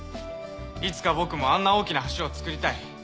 いつか僕もあんな大きな橋を造りたい。